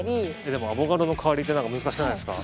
でもアボカドの代わりって難しくないですか？